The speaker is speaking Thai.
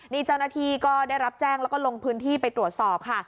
นี่เจ้าหน้าที่ก็ได้รับแจ้งแล้วก็ลงพื้นที่ไปตรวจสอบค่ะ